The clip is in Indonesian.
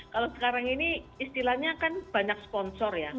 kalau sekarang ini istilahnya kan banyak sponsor ya